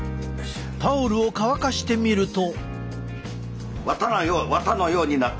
タオルを乾かしてみると。